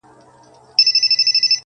په نړۍ کي زموږ د توري شور ماشور وو!!